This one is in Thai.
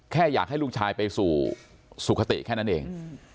แค่อยากให้ลูกชายไปสู่สุขติแค่นั้นเอง